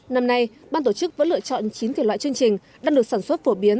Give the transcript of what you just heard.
năm nay ban tổ chức vẫn lựa chọn chín thể loại chương trình đang được sản xuất phổ biến